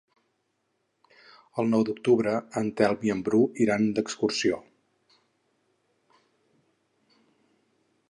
El nou d'octubre en Telm i en Bru iran d'excursió.